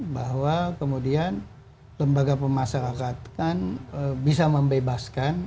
bahwa kemudian lembaga pemasarakat kan bisa membebaskan